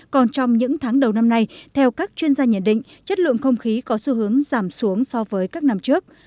còn trong những tháng đầu năm nay theo các chuyên gia nhận định chất lượng không khí có xu hướng giảm xuống so với các năm trước